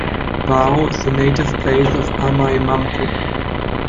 Wao is a native place of Amai Mamco.